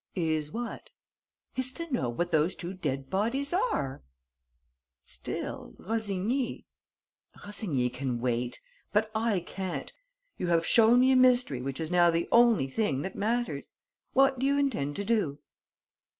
"Is what?" "Is to know what those two dead bodies are." "Still, Rossigny...." "Rossigny can wait. But I can't. You have shown me a mystery which is now the only thing that matters. What do you intend to do?"